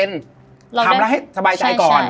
ถ้าทำแล้วสบายใจก่อน